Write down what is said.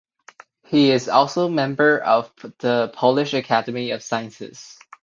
He is also member of the Polish Academy of Sciences.